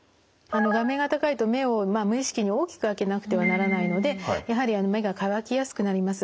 画面が高いと目を無意識に大きく開けなくてはならないのでやはり目が乾きやすくなります。